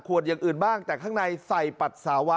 อย่างอื่นบ้างแต่ข้างในใส่ปัสสาวะ